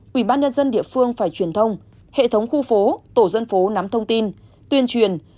quỹ ban nhân dân địa phương phải truyền thông hệ thống khu phố tổ dân phố nắm thông tin tuyên truyền